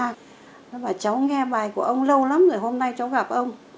nó bảo cháu nghe bài của ông lâu lắm rồi hôm nay cháu gặp ông